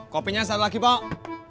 kopinya satu lagi pok